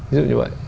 ví dụ như vậy